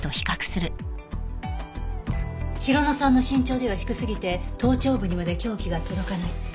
浩乃さんの身長では低すぎて頭頂部にまで凶器が届かない。